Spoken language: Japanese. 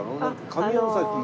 上大崎。